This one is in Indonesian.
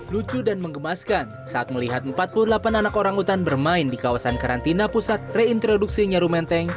lucu dan mengemaskan saat melihat empat puluh delapan anak orangutan bermain di kawasan karantina pusat reintroduksi nyaru menteng